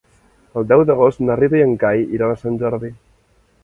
El deu d'agost na Rita i en Cai iran a Sant Jordi.